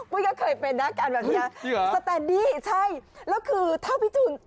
ปุ้ยก็เคยเป็นนะการแบบนี้สแตนดี้ใช่แล้วคือถ้าพี่ตูน